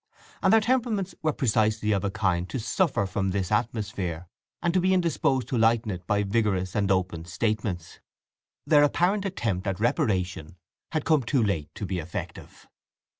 And their temperaments were precisely of a kind to suffer from this atmosphere, and to be indisposed to lighten it by vigorous and open statements. Their apparent attempt at reparation had come too late to be effective.